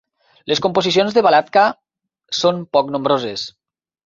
Les composicions de Balatka són poc nombroses.